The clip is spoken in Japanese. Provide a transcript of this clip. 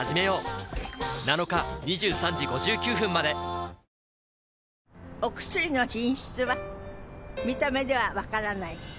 ［さらに］お薬の品質は見た目では分からない。